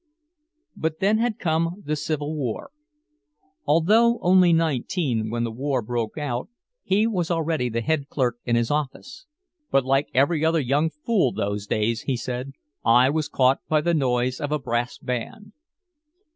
But then had come the Civil War. Although only nineteen when the war broke out, he was already the head clerk in his office. "But like every other young fool those days," he said, "I was caught by the noise of a brass band!"